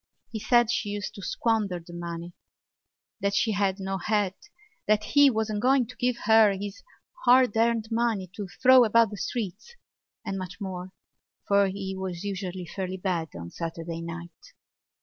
He said she used to squander the money, that she had no head, that he wasn't going to give her his hard earned money to throw about the streets, and much more, for he was usually fairly bad of a Saturday night.